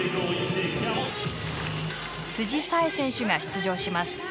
沙絵選手が出場します。